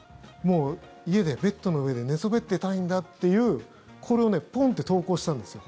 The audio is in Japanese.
家で、ベッドの上で寝そべっていたいんだというこれをポンッて投稿したんですよ